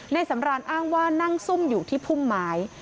สำรานอ้างว่านั่งซุ่มอยู่ที่พุ่มไม้